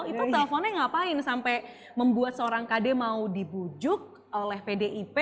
itu telponnya ngapain sampai membuat seorang kd mau dibujuk oleh pdip